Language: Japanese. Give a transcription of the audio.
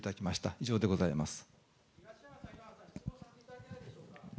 以上でございます。